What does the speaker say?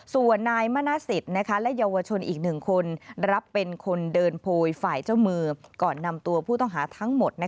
ส่วนนายมณสิทธิ์และเยาวชนอีก๑คนรับเป็นคนเดินโพยฝ่ายเจ้ามือก่อนนำตัวผู้ต้องหาทั้งหมด